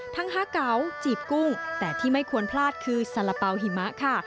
ฮาเก๋าจีบกุ้งแต่ที่ไม่ควรพลาดคือสาระเป๋าหิมะค่ะ